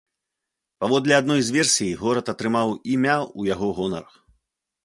Паводле адной з версій, горад атрымаў імя ў яго гонар.